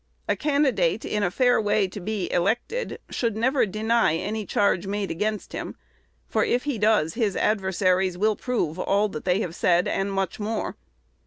A candidate in a fair way to be elected should never deny any charge made against him; for, if he does, his adversaries will prove all that they have said, and much more.